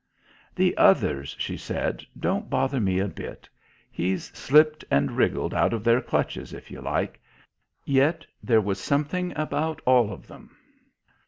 "The others," she said, "don't bother me a bit. He's slipped and wriggled out of their clutches, if you like.... Yet there was something about all of them.